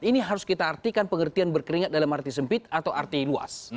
ini harus kita artikan pengertian berkeringat dalam arti sempit atau arti luas